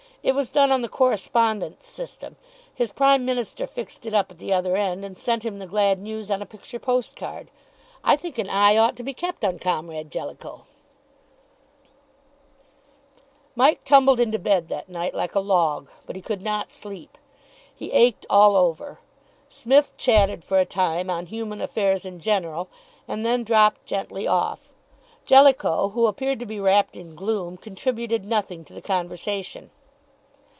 It was done on the correspondence system. His Prime Minister fixed it up at the other end, and sent him the glad news on a picture post card. I think an eye ought to be kept on Comrade Jellicoe." Mike tumbled into bed that night like a log, but he could not sleep. He ached all over. Psmith chatted for a time on human affairs in general, and then dropped gently off. Jellicoe, who appeared to be wrapped in gloom, contributed nothing to the conversation.